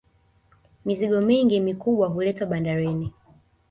mizigo mingi mikubwa huletwa bandarini